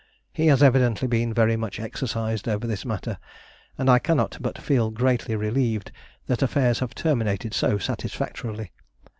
He has evidently been very much exercised over this matter, and I cannot but feel greatly relieved that affairs have terminated so satisfactorily.